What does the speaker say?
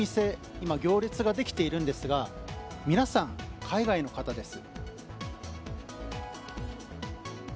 今、行列ができているんですが皆さん、海外の方です。